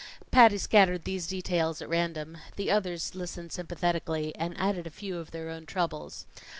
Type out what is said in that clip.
Patty scattered these details at random. The others listened sympathetically, and added a few of their own troubles.